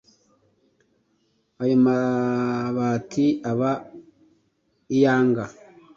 ayo mabati aba iyanga,